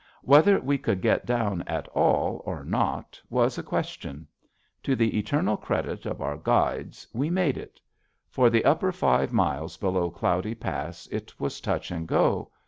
Whether we could get down at all or not was a question. To the eternal credit of our guides, we made it. For the upper five miles below Cloudy Pass it was touch and go.